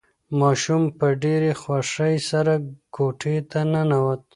ماشوم په ډېرې خوښۍ سره کوټې ته ننوت.